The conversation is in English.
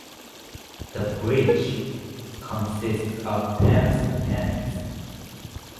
The bridge consists of ten spans.